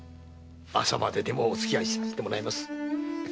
朝まででもお付き合いさせていただきます。